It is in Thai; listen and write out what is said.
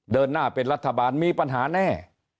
เดินหน้าเป็นรัฐบาลมีปัญหาแน่